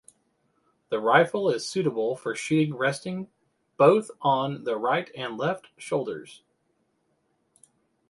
The rifle is suitable for shooting resting both on the right and left shoulders.